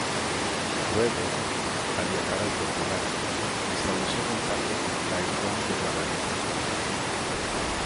Luego, al viajar al Portugal, estableció contacto con fray Juan de Guadalupe.